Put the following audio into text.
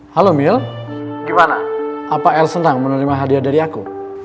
halo mil gimana apa l senang menerima hadiah dari aku